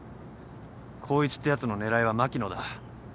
光一ってやつの狙いは牧野だ。